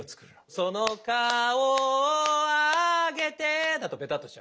「その顔をあげて」だとベタッとしちゃう。